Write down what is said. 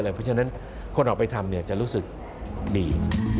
เพราะฉะนั้นคนออกไปทำจะรู้สึกดี